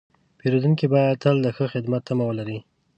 پیرودونکی باید تل د ښه خدمت تمه ولري.